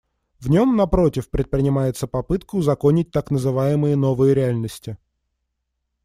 В нем, напротив, предпринимается попытка узаконить так называемые новые реальности.